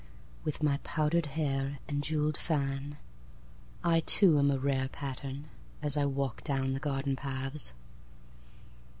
With my powdered hair and jewelled fan,I too am a rarePattern. As I wander downThe garden paths.